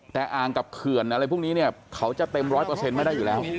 แต่อ่างกับเขื่อนอะไรพวกนี้เขาจะเต็ม๑๐๐ไม่ได้อยู่แล้ว